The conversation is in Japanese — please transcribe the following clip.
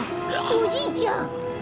おじいちゃん！